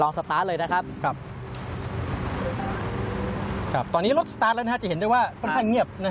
ลองสตาร์ทเลยนะครับครับตอนนี้รถสตาร์ทแล้วนะครับจะเห็นได้ว่าค่อนข้างเงียบนะครับ